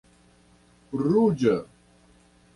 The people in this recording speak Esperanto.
ruĝa